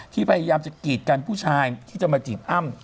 พยายามจะกีดกันผู้ชายที่จะมาจีบอ้ำ